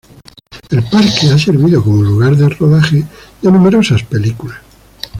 El parque ha servido como lugar de rodaje de numerosas películas.